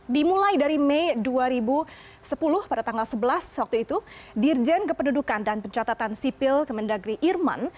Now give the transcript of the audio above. dimulai dari mei dua ribu sepuluh pada tanggal sebelas waktu itu dirjen kependudukan dan pencatatan sipil kemendagri irman